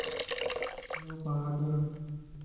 يو بھادرَ